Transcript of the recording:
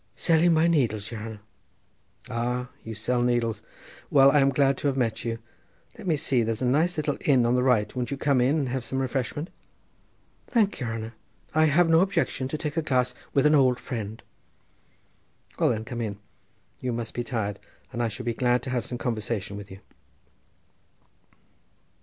"Selling my needles, yere hanner." "Oh! you sell needles. Well, I am glad to have met you. Let me see. There's a nice little inn on the right: won't you come in and have some refreshment?" "Thank yere hanner; I have no objection to take a glass wid an old friend." "Well, then, come in; you must be tired, and I shall be glad to have some conversation with you."